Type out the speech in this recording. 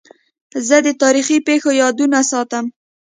زه د تاریخي پېښو یادونه ساتم.